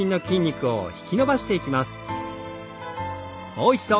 もう一度。